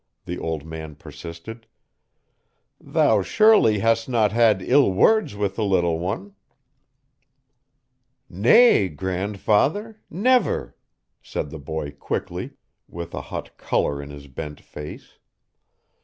the old man persisted. "Thou surely hast not had ill words with the little one?" "Nay, grandfather never," said the boy quickly, with a hot color in his bent face.